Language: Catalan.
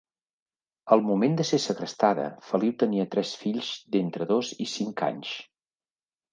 Al moment de ser segrestada, Feliu tenia tres fills d'entre dos i cinc anys.